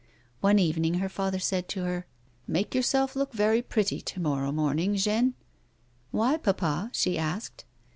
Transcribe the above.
One evening her father said to her : "Make yourself look very pretty to morrow morning, Jeanne." "Why, papa?" she asked.